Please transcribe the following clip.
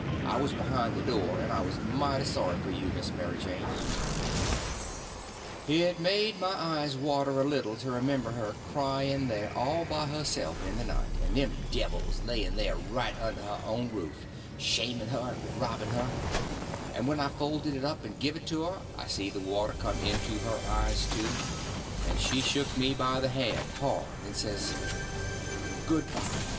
I was behind the door, and I was mighty sorry for you, Miss Mary Jane." It made my eyes water a little to remember her crying there all by herself in the night, and them devils laying there right under her own roof, shaming her and robbing her; and when I folded it up and give it to her I see the water come into her eyes, too; and she shook me by the hand, hard, and says: "Good bye.